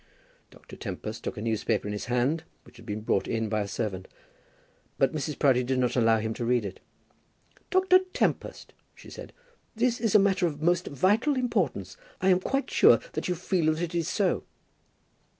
Dr. Tempest took a newspaper in his hand, which had been brought in by a servant, but Mrs. Proudie did not allow him to read it. "Dr. Tempest," she said, "this is a matter of most vital importance. I am quite sure that you feel that it is so."